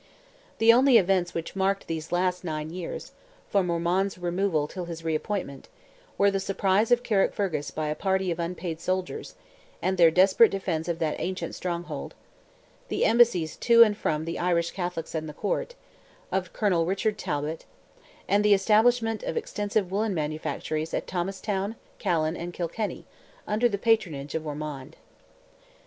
The only events which marked these last nine years—from Ormond's removal till his reappointment—were the surprise of Carrickfergus by a party of unpaid soldiers, and their desperate defence of that ancient stronghold; the embassies to and from the Irish Catholics and the court, of Colonel Richard Talbot; and the establishment of extensive woollen manufactories at Thomastown, Callan, and Kilkenny, under the patronage of Ormond.